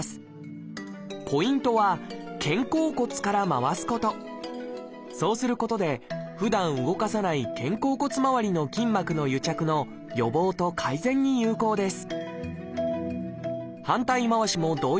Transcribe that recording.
まず胸の前でそうすることでふだん動かさない肩甲骨まわりの筋膜の癒着の予防と改善に有効です